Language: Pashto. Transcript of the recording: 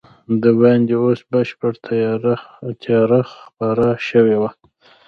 دباندې اوس بشپړه تیاره خپره شوې وه.